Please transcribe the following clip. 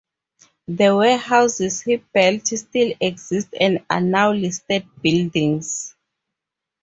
The warehouses he built still exist and are now listed buildings.